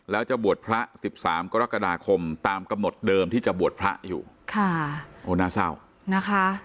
แล้วจะบวชพระ๑๓กรกฎาคมตามกำหนดเดิมที่จะบวชพระอยู่ค่ะโอ้น่าเศร้านะคะ